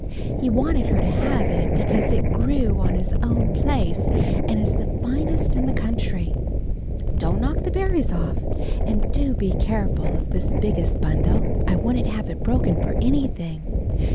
He wanted her to have it because it grew on his own place and is the finest in the country. Don't knock the berries off, and do be careful of this biggest bundle. I wouldn't have it broken for anything.